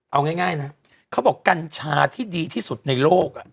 เอาง่ายนะเขาบอกกัญชาที่ดีที่สุดในโลก